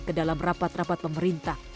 kedalam rapat rapat pemerintah